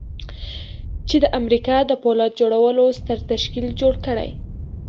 چې د امريکا د پولاد جوړولو ستر تشکيل جوړ کړي.